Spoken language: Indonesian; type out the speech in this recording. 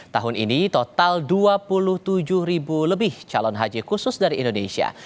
tahun ini total dua puluh tujuh ribu lebih calon haji khusus dari indonesia